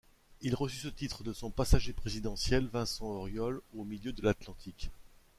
Il reçut ce titre de son passager présidentiel, Vincent Auriol au milieu de l’Atlantique.